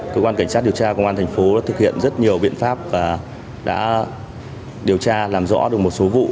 cơ quan cảnh sát điều tra công an thành phố đã thực hiện rất nhiều biện pháp và đã điều tra làm rõ được một số vụ